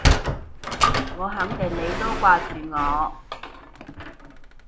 我肯定你都掛住我